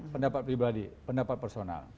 pendapat pribadi pendapat personal